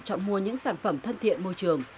chọn mua những sản phẩm thân thiện môi trường